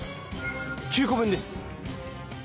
９こ分です！